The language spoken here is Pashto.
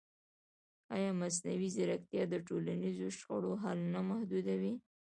ایا مصنوعي ځیرکتیا د ټولنیزو شخړو حل نه محدودوي؟